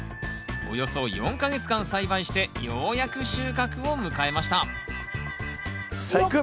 およそ４か月間栽培してようやく収穫を迎えましたさあいく！